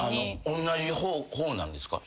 あの同じ方なんですか？